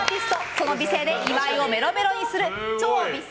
その美声で岩井をメロメロにする超美声